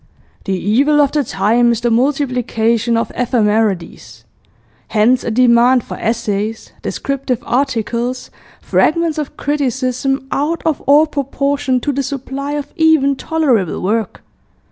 '... The evil of the time is the multiplication of ephemerides. Hence a demand for essays, descriptive articles, fragments of criticism, out of all proportion to the supply of even tolerable work.